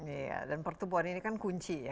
iya dan pertumbuhan ini kan kunci ya